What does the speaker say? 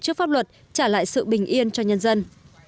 và đối với pháp luật trả lại sự bình yên cho nhân dân